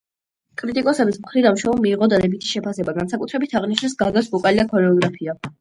კრიტიკოსების მხრიდან შოუმ მიიღო დადებითი შეფასება, განსაკუთრებით აღნიშნეს გაგას ვოკალი და ქორეოგრაფია.